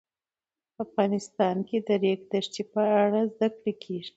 افغانستان کې د د ریګ دښتې په اړه زده کړه کېږي.